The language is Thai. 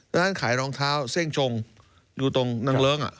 ร้านขายรองเท้าเส้งชงอยู่ตรงนางเลิ้ง